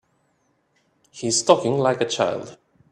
He's talking like a child.